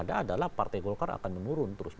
adalah partai golkar akan menurun